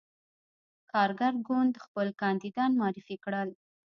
کارګر ګوند خپل کاندیدان معرفي کړل.